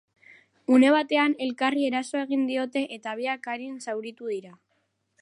Une batean elkarri eraso egin diote eta biak arin zauritu dira.